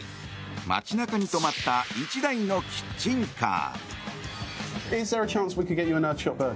街中に止まった１台のキッチンカー。